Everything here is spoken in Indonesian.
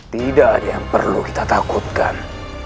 tidak ada yang perlu kita takutkan